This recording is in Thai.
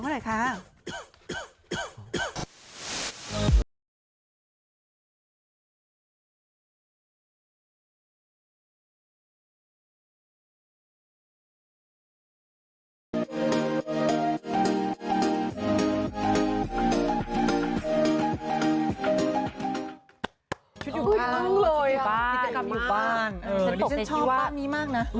แต่เลยนี่เงินาที่ดูว่านี่มากน่ะอืม